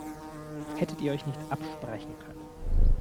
Hättet ihr euch nicht absprechen können?